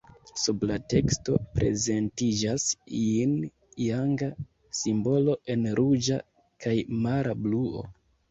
Sub la teksto prezentiĝas jin-janga simbolo en ruĝa kaj mara bluo.